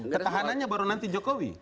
ketahanannya baru nanti jokowi